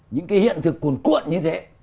những cái hiện thực cuồn cuộn như thế